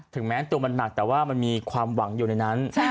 แม้ตัวมันหนักแต่ว่ามันมีความหวังอยู่ในนั้น